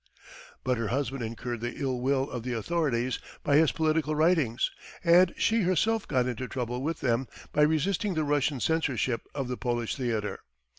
But her husband incurred the ill will of the authorities by his political writings, and she herself got into trouble with them by resisting the Russian censorship of the Polish theatre.